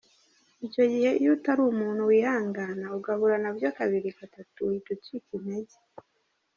Icyo gihe iyo utari umuntu wihangana ugahura nabyo kabiri, gatatu uhita ucika intege”.